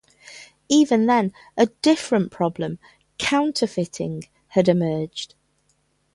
Even then, a different problem-counterfeiting-had emerged.